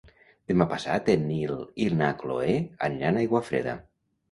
Demà passat en Nil i na Cloè aniran a Aiguafreda.